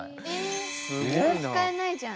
え使えないじゃん。